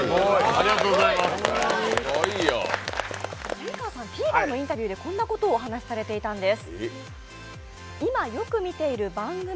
上川さん、ＴＶｅｒのインタビューでこんなことをお話しされていたんです。